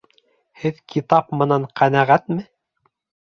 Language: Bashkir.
Һеҙ китап менән ҡәнәғәтме?